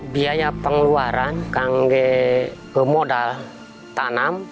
biaya pengeluaran kan ke modal tanam